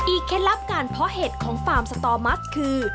เคล็ดลับการเพาะเห็ดของฟาร์มสตอมัสคือ